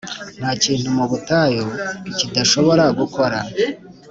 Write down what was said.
ntakintu mu butayu kidashobora gukora,